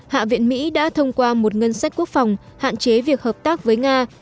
hạ viện mỹ đã thông qua một ngân sách quốc phòng hạn chế việc hợp tác với nga